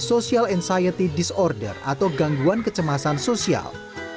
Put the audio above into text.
social exciety disorder atau gangguan kecemasan sosial